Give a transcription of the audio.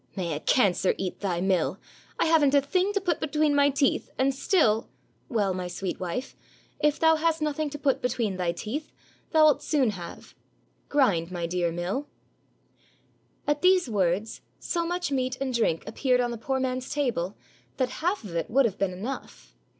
"May a cancer eat thy mill! I haven't a thing to put between my teeth, and still —" "Well, my sweet wife, if thou hast nothing to put be tween thy teeth, thou 'It soon have. Grind, my dear mill." At these words, so much meat and drink appeared on the poor man's table that half of it would have been enough.